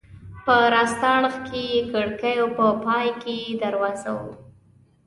په راسته اړخ کې یې کړکۍ او په پای کې یې دروازه وه.